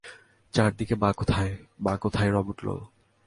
চারি দিকে মা কোথায়, মা কোথায় রব উঠিল।